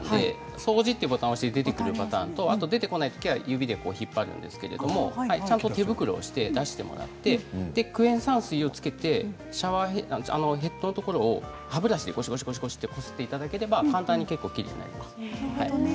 掃除というボタンと出てこないとき指で引っ張るんですけどちゃんと手袋をして出してクエン酸水をつけてヘッドのところを歯ブラシでゴシゴシっとこすっていただければ簡単に結構きれいになります。